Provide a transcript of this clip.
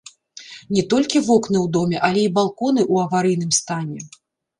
Не толькі вокны ў доме, але і балконы ў аварыйным стане.